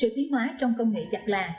sự ký hóa trong công nghệ chặt là